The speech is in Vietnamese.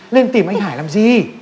lên tìm anh hải làm gì